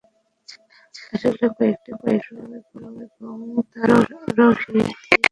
আসলে কয়েকটি অশ্ব এবং তার আরোহী তীর বিদ্ধ হয় মাত্র।